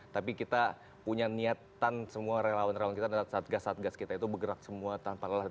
tapi kita punya niatan semua relawan relawan kita dan satgas satgas kita itu bergerak semua tanpa lelah